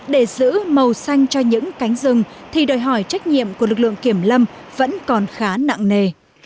để giữ màu xanh cho những cánh rừng thì đòi hỏi trách nhiệm của lực lượng kiểm lâm vẫn còn khá nặng nề